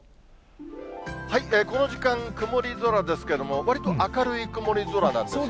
この時間、曇り空ですけれども、わりと明るい曇り空なんです。